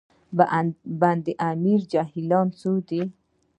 د بند امیر جهیلونه څو دي؟